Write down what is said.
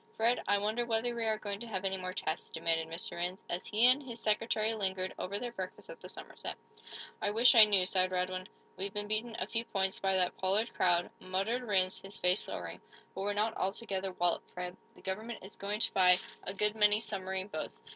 "Fred, I wonder whether we are going to have any more tests," demanded Mr. Rhinds, as he and his secretary lingered over their breakfast at the Somerset. "I wish I knew," sighed Radwin. "We've been beaten, a few points, by that Pollard crowd," muttered Rhinds, his face lowering. "But we're not altogether walloped, Fred. The government is going to buy a good many submarine boats.